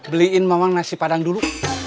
beliin memang nasi padang dulu